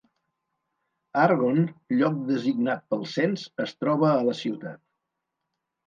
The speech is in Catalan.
Argonne, lloc designat pel cens, es troba a la ciutat.